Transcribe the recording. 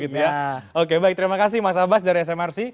terima kasih mas abbas dari smrc